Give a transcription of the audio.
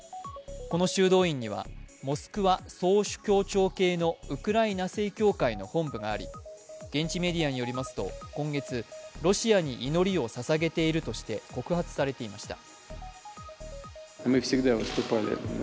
この修道院には、モスクワ総主教庁系のウクライナ正教会の本部があり現地メディアによりますと今月、ロシアに祈りをささげているとして告発されていました。